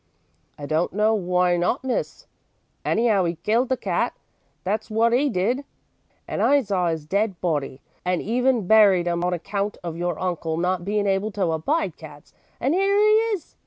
"I don't know w'y not, Miss. Anyhow, 'e killed the cat, that's wot 'e did, and I saw 'is dead body, and even buried 'im, on account of your uncle not bein' able to abide cats, and 'ere 'e is.